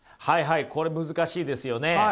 はいはいこれ難しいですよね。